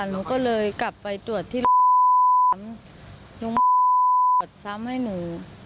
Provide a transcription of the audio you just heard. หนูก็เลยกลับไปตรวจที่หนูตรวจซ้ำให้หนู